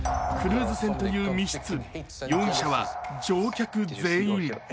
クルーズ船という密室、容疑者は乗客全員。